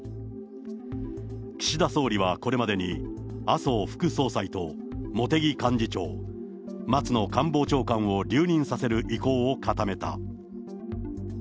岸田総理はこれまでに麻生副総裁と茂木幹事長、松野官房長官を留任させる意向を固めた。